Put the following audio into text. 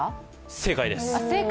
正解です。